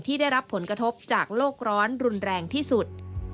ได้รับผลกระทบจากโลกร้อนรุนแรงที่สุด